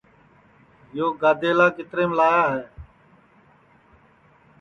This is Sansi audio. یو گَِدیلا کِتریم لایا ہے